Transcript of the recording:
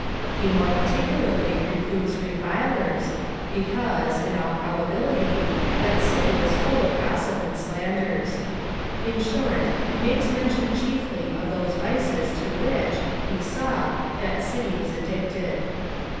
He more particularly reproves revilers, because, in all pro bability, that city was full of gossip and slanders. In short, he makes mention chiefly of those vices to which, he saw, that city was addicted.